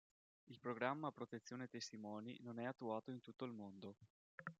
Il programma protezione testimoni non è attuato in tutto il mondo.